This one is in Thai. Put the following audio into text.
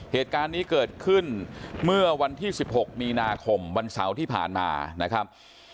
เหตุการณ์นี้เกิดขึ้นเมื่อวันที่๑๖มีนาคมวันเสาร์ที่ผ่านมานะครับ